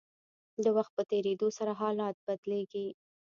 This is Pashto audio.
د وخت په تیریدو سره حالات بدلیږي.